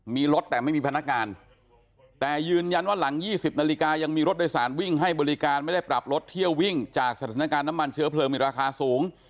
มีรถแต่ไม่มีพนักงานแต่ยืนยันว่าหลัง๒๐นาฬิกายังมีรถโดยสารวิ่งให้บริการไม่ได้ปรับรถเที่ยววิ่งจากสถานการณ์น้ำมันเชื้อเพลิงมีราคาสูง